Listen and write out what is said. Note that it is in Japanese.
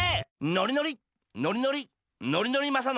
ノリノリノリノリノリノリマサノリ。